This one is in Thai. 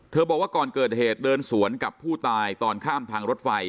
บอกว่าก่อนเกิดเหตุเดินสวนกับผู้ตายตอนข้ามทางรถไฟ